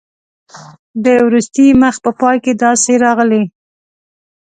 د وروستي مخ په پای کې داسې راغلي.